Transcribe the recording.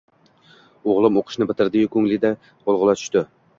O`g`lim o`qishni bitirdi-yu, ko`nglimga g`ulg`ula tushdi